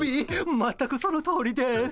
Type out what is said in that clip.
全くそのとおりです。